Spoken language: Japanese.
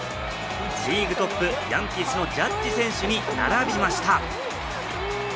リーグトップ、ヤンキースのジャッジ選手に並びました。